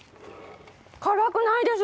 辛くないです！